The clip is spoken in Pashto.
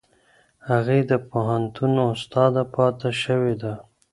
هغې د پوهنتون استاده پاتې شوې ده.